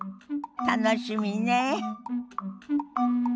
楽しみねえ。